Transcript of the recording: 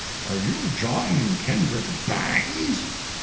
Are you John Kendrick Bangs?'